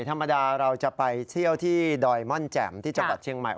ธรรมดาเราจะไปเที่ยวที่ดอยม่อนแจ่มที่จังหวัดเชียงใหม่